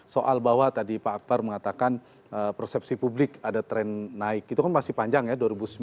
soal bahwa tadi pak akbar mengatakan persepsi publik ada tren naik itu kan masih panjang ya dua ribu sembilan belas